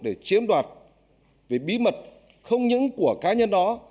để chiếm đoạt về bí mật không những của cá nhân đó